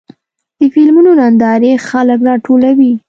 د فلمونو نندارې خلک راټولوي.